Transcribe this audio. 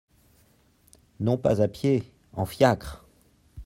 Non pas à pied, en fiacre !